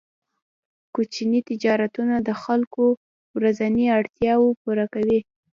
کوچني تجارتونه د خلکو ورځنۍ اړتیاوې پوره کوي.